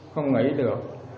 không nghĩ được